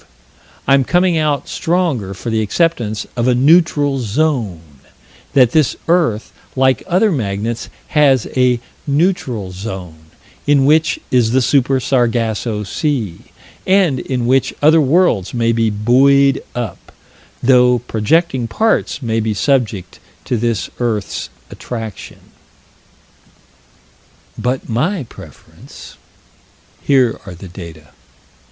I'm coming out stronger for the acceptance of a Neutral Zone that this earth, like other magnets, has a neutral zone, in which is the Super Sargasso Sea, and in which other worlds may be buoyed up, though projecting parts may be subject to this earth's attraction But my preference: Here are the data.